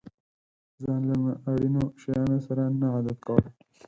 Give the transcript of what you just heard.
ځان له نا اړينو شيانو سره نه عادت کول.